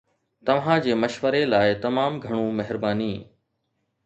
توهان جي مشوري لاء تمام گهڻو مهرباني